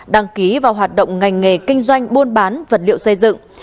đăng ký vào hoạt động ngành nghề kinh doanh buôn bán vật liệu xây dựng